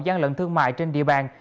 gian lận thương mại trên địa bàn